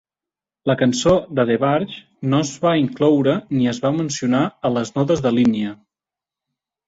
La cançó de DeBarge no es va incloure ni es va mencionar a les notes de línia.